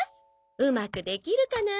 うまくできるかな？